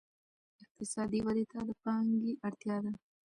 اقتصادي ودې ته د پانګې اړتیا ده.